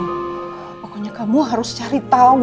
pokoknya kamu harus cari tahu